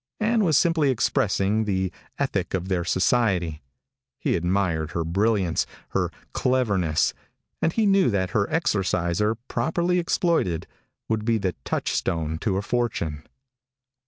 Ann was simply expressing the ethic of their society. He admired her brilliance, her cleverness; and he knew that her Exorciser, properly exploited, would be the touchstone to a fortune.